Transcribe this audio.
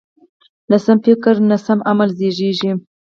له سم فکر نه سم عمل زېږي.